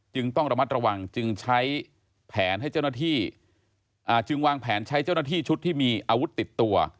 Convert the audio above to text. จึงต้องระมัดระวังจึงใช้แผนใช้เจ้าหน้าที่ชุดที่มีอาวุธติดตัว